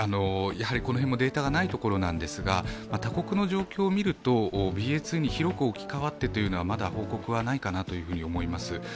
この辺もデータがないところなんですが、他国の状況を見るとＢＡ．２に広く置き換わってという報告はまだないかなと思います。